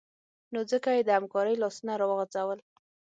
نو ځکه یې د همکارۍ لاسونه راوغځول